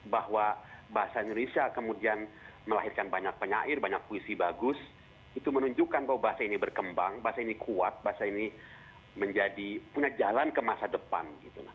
bahwa bahasa indonesia kemudian melahirkan banyak penyair banyak puisi bagus itu menunjukkan bahwa bahasa ini berkembang bahasa ini kuat bahasa ini menjadi punya jalan ke masa depan